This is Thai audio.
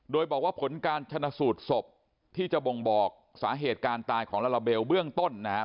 โดยบอกว่าผลการชนะสูตรศพที่จะบ่งบอกสาเหตุการตายของลาลาเบลเบื้องต้นนะครับ